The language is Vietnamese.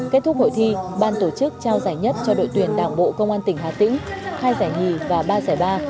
kết thúc hội thi ban tổ chức trao giải nhất cho đội tuyển đảng bộ công an tỉnh hà tĩnh hai giải nhì và ba giải ba